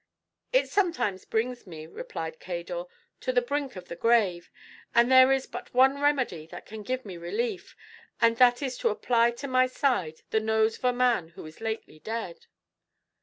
"It sometimes brings me," replied Cador, "to the brink of the grave; and there is but one remedy that can give me relief, and that is to apply to my side the nose of a man who is lately dead."